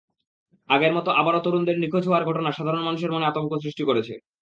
আগের মতো আবারও তরুণদের নিখোঁজ হওয়ার ঘটনা সাধারণ মানুষের মনে আতঙ্ক সৃষ্টি করেছে।